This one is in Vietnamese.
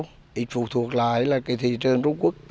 thì phụ thuộc lại là cái thị trường trung quốc